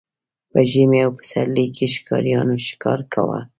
په ژمي او پسرلي کې ښکاریانو ښکار کاوه.